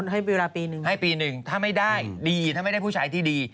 ให้เวลาปีหนึ่งให้ปีหนึ่งถ้าไม่ได้ดีถ้าไม่ได้ผู้ชายที่ดี